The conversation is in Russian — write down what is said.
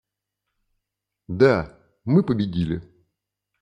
Да, мы победили.